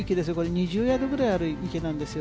２０ヤードぐらいある池なんですよ。